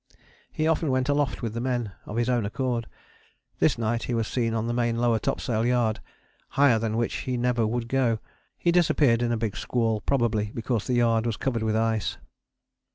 He often went aloft with the men, of his own accord. This night he was seen on the main lower topsail yard, higher than which he never would go. He disappeared in a big squall, probably because the yard was covered with ice.